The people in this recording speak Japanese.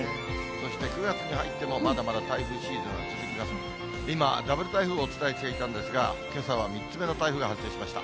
そして９月に入ってもまだまだ台風シーズンは続きますので、今、ダブル台風をお伝えしていたんですが、けさは３つ目の台風が発生しました。